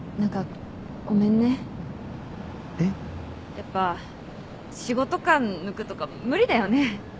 やっぱ仕事感抜くとか無理だよね。